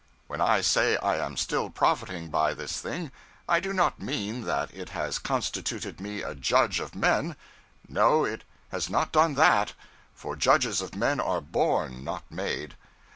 When I say I am still profiting by this thing, I do not mean that it has constituted me a judge of men no, it has not done that; for judges of men are born, not made.